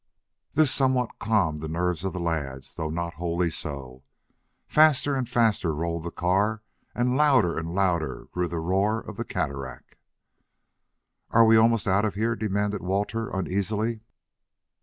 This somewhat calmed the nerves of the lads, though not wholly so. Faster and faster rolled the car and louder and louder grew the roar of the cataract. "Are we almost out of here?" demanded Walter uneasily.